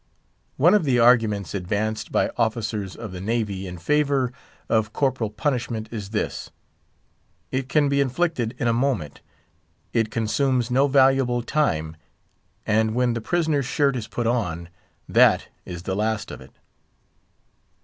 One of the arguments advanced by officers of the Navy in favour of corporal punishment is this: it can be inflicted in a moment; it consumes no valuable time; and when the prisoner's shirt is put on, that is the last of it.